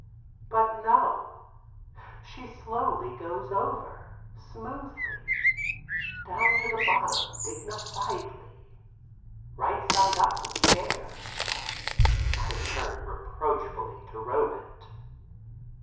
But no; she slowly goes over, smoothly, down to the bottom dignifiedly—right side up with care. I turn reproachfully to Robet.